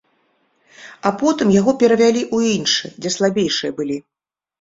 А потым яго перавялі ў іншы, дзе слабейшыя былі.